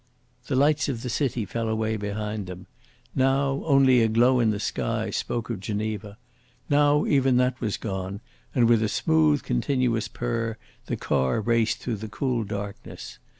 The lights of the city fell away behind them. Now only a glow in the sky spoke of Geneva; now even that was gone and with a smooth continuous purr the car raced through the cool darkness.